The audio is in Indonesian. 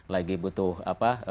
lagi butuh apa